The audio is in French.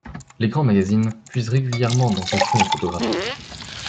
Les grands magazines puisent régulièrement dans ses fonds photographiques.